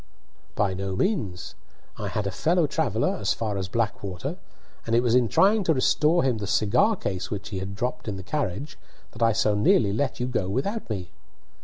"By no means. I had a fellow traveller as far as Blackwater, and it was in trying to restore him the cigar case which he had dropped in the carriage that I so nearly let you go on without me."